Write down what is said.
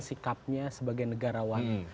sikapnya sebagai negarawan